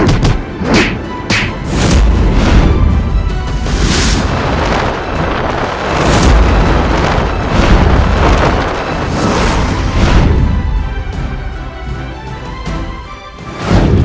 untuk malam bernama athletes